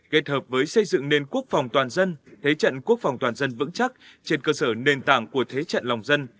kết hợp với xây dựng nền quốc phòng toàn dân thế trận quốc phòng toàn dân vững chắc trên cơ sở nền tảng của thế trận lòng dân